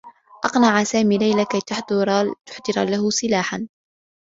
أقنع سامي ليلى كي تحضر له سلاحا.